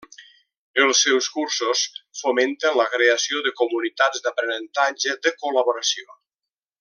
Els seus cursos fomenten la creació de comunitats d'aprenentatge de col·laboració.